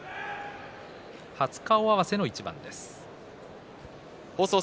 初顔合わせの一番になります。